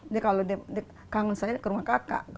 dia kalau dia kangen saya ke rumah kakak